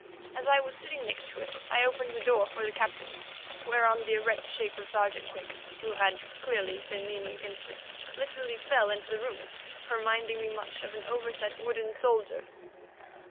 As I was sitting next to it, I opened the door for the Captain, whereon the erect shape of Sergeant Quick, who had clearly been leaning against it, literally fell into the room, reminding me much of an overset wooden soldier.